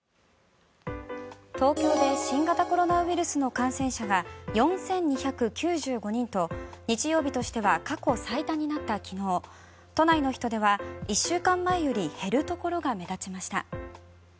東京で新型コロナウイルスの感染者が４２９５人と日曜日としては過去最多となった昨日都内の人出は１週間前より減るところが目立ちました。